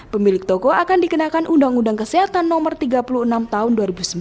pemilik toko akan dikenakan undang undang kesehatan no tiga puluh enam tahun dua ribu sembilan